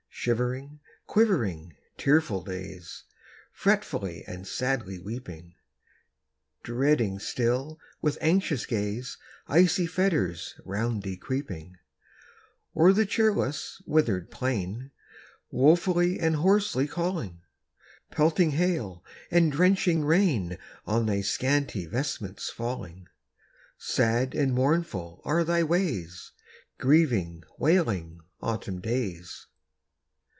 Shivering, quivering, tearful days, Fretfully and sadly weeping; Dreading still, with anxious gaze, Icy fetters round thee creeping; O'er the cheerless, withered plain, Woefully and hoarsely calling; Pelting hail and drenching rain On thy scanty vestments falling. Sad and mournful are thy ways, Grieving, wailing, Autumn days!